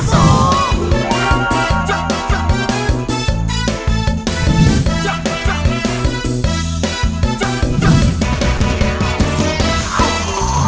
สู้สู้ซ่าซ่ายกกำลังซ่าออกกันสู้สู้